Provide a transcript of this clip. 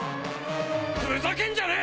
ふざけんじゃねえ！